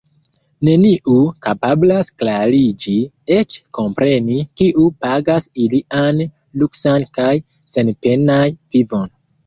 Neniu kapablas klarigi, eĉ kompreni, kiu pagas ilian luksan kaj senpenan vivon.